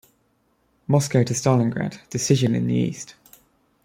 "Moscow to Stalingrad: Decision in the East".